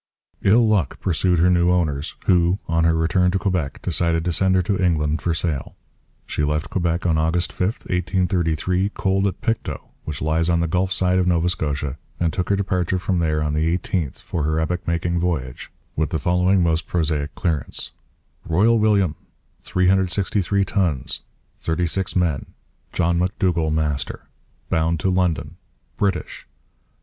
Ill luck pursued her new owners, who, on her return to Quebec, decided to send her to England for sale. She left Quebec on August 5, 1833, coaled at Pictou, which lies on the Gulf side of Nova Scotia, and took her departure from there on the 18th, for her epoch making voyage, with the following most prosaic clearance: 'Royal William, 363 tons. 36 men. John M'Dougall, master. Bound to London. British.